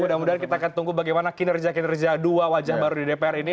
mudah mudahan kita akan tunggu bagaimana kinerja kinerja dua wajah baru di dpr ini